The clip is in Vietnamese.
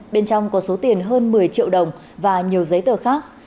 bên trong có số tiền hơn một mươi triệu đồng và nhiều giấy tờ khác